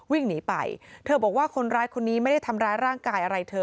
วิ่งหนีไปเธอบอกว่าคนร้ายคนนี้ไม่ได้ทำร้ายร่างกายอะไรเธอ